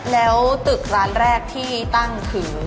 แล้วตึกร้านแรกที่ตั้งคือ